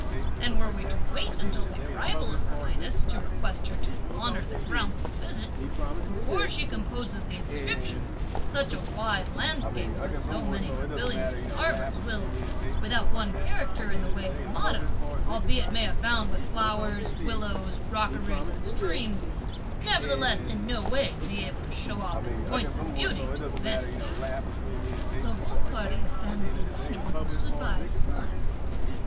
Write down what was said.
And were we to wait until the arrival of her highness, to request her to honour the grounds with a visit, before she composes the inscriptions, such a wide landscape, with so many pavilions and arbours, will, without one character in the way of a motto, albeit it may abound with flowers, willows, rockeries, and streams, nevertheless in no way be able to show off its points of beauty to advantage." The whole party of family companions, who stood by, smiled.